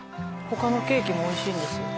他のケーキもおいしいんですよ